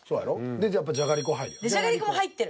でやっぱりじゃがりこは入る。